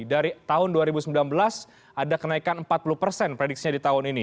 dari tahun dua ribu sembilan belas ada kenaikan empat puluh persen prediksinya di tahun ini